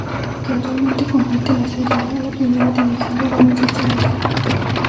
Actualmente compite en la Serie A, la primera división del baloncesto en Italia.